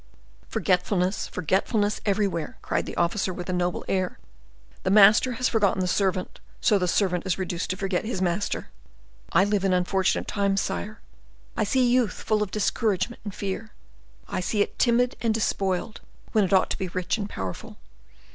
"Forgetfulness, forgetfulness everywhere!" cried the officer, with a noble air; "the master has forgotten the servant, so the servant is reduced to forget his master. I live in unfortunate times, sire. I see youth full of discouragement and fear, I see it timid and despoiled, when it ought to be rich and powerful.